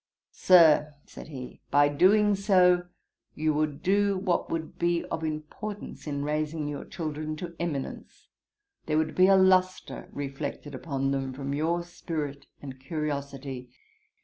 'Sir, (said he,) by doing so, you would do what would be of importance in raising your children to eminence. There would be a lustre reflected upon them from your spirit and curiosity.